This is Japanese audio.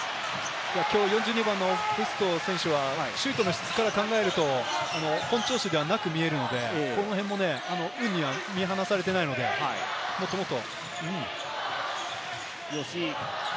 きょうオブスト選手はシュートの質から考えると本調子ではなく見えるので、見放されていないので、もっともっと。